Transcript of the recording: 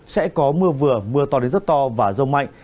sẽ có mưa vừa mưa to đến rất to và rông mạnh